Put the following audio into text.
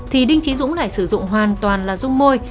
thì đinh trí dũng lại sử dụng hoàn toàn là dung môi